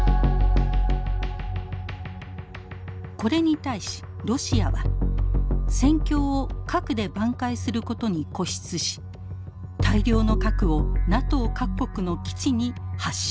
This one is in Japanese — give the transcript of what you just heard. これに対しロシアは戦況を核で挽回することに固執し大量の核をＮＡＴＯ各国の基地に発射。